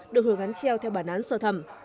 được hưởng án treo theo bản án sở thẩm